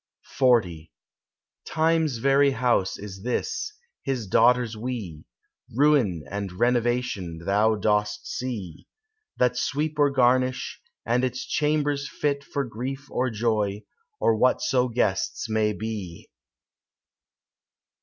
XL "Time's very house is this, his daughters we, Ruin and Renovation, thou dost see, That sweep or garnish, and its chambers fit For grief or joy, or whatso guests may be.